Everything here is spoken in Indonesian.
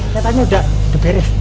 kayaknya udah beres